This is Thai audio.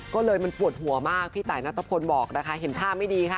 ก็เลยมันปวดหัวมากพี่ตายนัทพลบอกนะคะเห็นท่าไม่ดีค่ะ